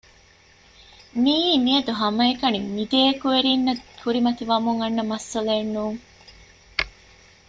މިއީ މިއަދު ހަމައެކަނި މި ދެ އެކުވެރީންނަށް ކުރިމަތިވަމުން އަންނަ މައްސަލައެއް ނޫން